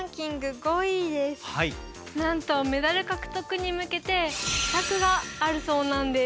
なんとメダル獲得に向けて秘策があるそうなんです。